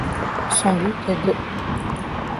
Son but est d'.